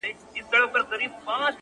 د هغې خوله ـ شونډي ـ پېزوان او زنـي ـ